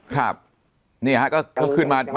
ครับนี่ฮะเขาคืนมา